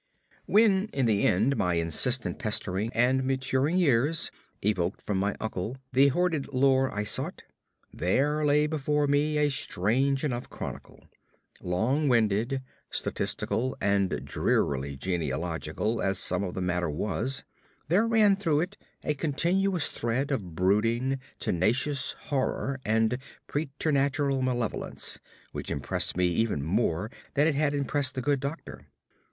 When, in the end, my insistent pestering and maturing years evoked from my uncle the hoarded lore I sought, there lay before me a strange enough chronicle. Long winded, statistical, and drearily genealogical as some of the matter was, there ran through it a continuous thread of brooding, tenacious horror and preternatural malevolence which impressed me even more than it had impressed the good doctor.